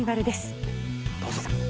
どうぞ。